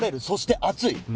そして熱い！